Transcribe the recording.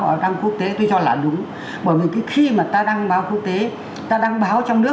họ đăng quốc tế tôi cho là đúng bởi vì khi mà ta đăng báo quốc tế ta đăng báo trong nước